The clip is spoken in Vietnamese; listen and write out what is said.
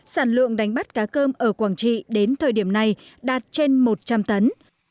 sản lượng đánh bắt cá cơm ở quảng trị đến thời điểm này đạt trên một trăm linh tấn